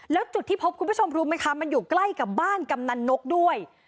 แล้วจุดที่พบคุณผู้ชมรู้ไหมคะมันอยู่ใกล้กับบ้านกำนันนกด้วย